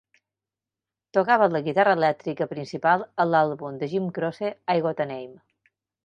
Tocava la guitarra elèctrica principal a l'àlbum de Jim Croce "I Got a Name".